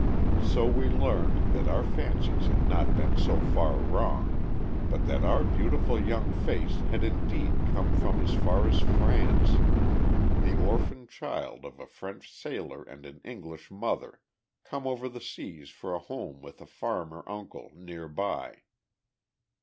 So we learned that our fancies had not been so far wrong, but that our beautiful young face had indeed come from as far as France, the orphaned child of a French sailor and an English mother, come over the seas for a home with a farmer uncle near by.